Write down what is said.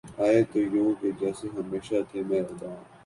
آئے تو یوں کہ جیسے ہمیشہ تھے مہرباں